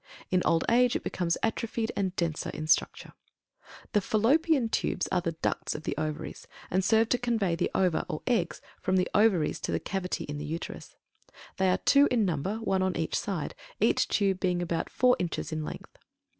In old age, it becomes atrophied and denser in structure. THE FALLOPIAN TUBES are the ducts of the Ovaries, and serve to convey the ova, or eggs, from the Ovaries to the cavity in the Uterus. They are two in number, one on each side, each tube being about four inches in length.